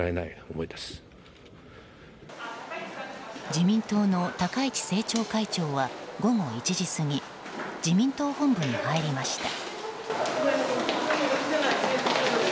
自民党の高市政調会長は午後１時すぎ自民党本部に入りました。